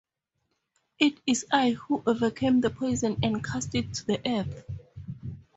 It is I who overcame the poison and cast it to the earth.